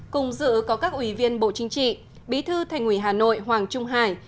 cùng dự có các ủy viên bộ chính trị bí thư thành ủy hà nội hoàng trung hải